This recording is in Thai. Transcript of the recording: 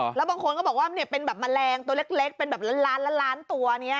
ใช่แล้วบางคนก็บอกว่าเนี่ยเป็นแบบมาแรงตัวเล็กเป็นแบบล้านตัวเนี่ย